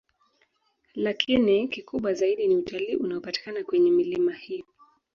Lakini kikubwa zaidi ni utalii unaopatikana kwenye milima hii